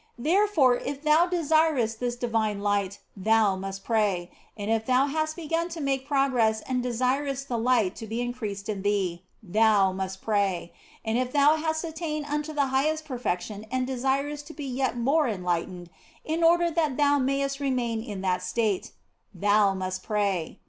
There fore if thou desirest this divine light thou must pray ; and if thou hast begun to make progress and desirest the light to be increased in thee, thou must pray ; and if thou hast attained unto the highest perfection and desirest to be yet more enlightened in order that thou mayest remain in that state, thou must pray.